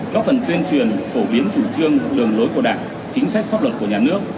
góp phần tuyên truyền phổ biến chủ trương đường lối của đảng chính sách pháp luật của nhà nước